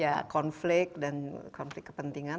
ya konflik dan konflik kepentingan